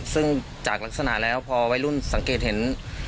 ซึ่งจากลักษณะแล้วพอวัยรุ่นสังเกตเห็น